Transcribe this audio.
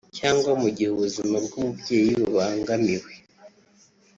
cyangwa mu gihe ubuzima bw’umubyeyi bubangamiwe